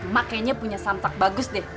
mak kayaknya punya samsak bagus deh